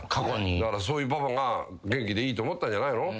だからそういうパパが元気でいいと思ったんじゃないの。